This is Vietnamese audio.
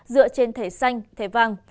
dựa trên thẻ xanh thẻ vàng